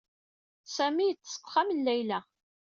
Sami yeḍḍes deg uxxam n Layla.